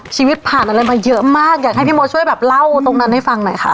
ชีวิตผ่านอะไรมาเยอะมากอยากให้พี่มดช่วยแบบเล่าตรงนั้นให้ฟังหน่อยค่ะ